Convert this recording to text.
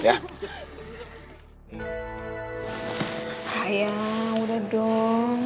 ayah udah dong